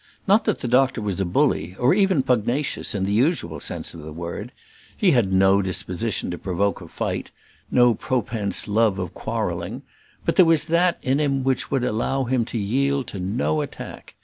Not that the doctor was a bully, or even pugnacious, in the usual sense of the word; he had no disposition to provoke a fight, no propense love of quarrelling; but there was that in him which would allow him to yield to no attack.